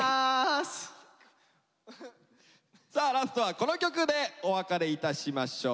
さあラストはこの曲でお別れいたしましょう。